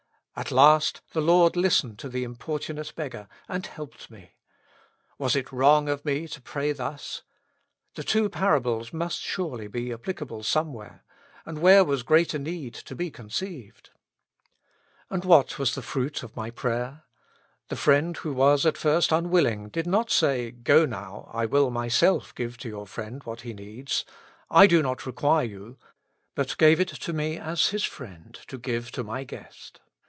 At last the Lord listened to the importunate beggar, and helped me. Was it wrong of me to pray thus ? The two parables must surely be applicable somewhere, and where was greater need to be con ceived ?'' And what was the fruit of my prayer ? The friend who was at first unwilling, did not say, Go now, I will myself give to your friend what he needs ; I do not require you ; but gave it to me as His friend, to give to my gHest.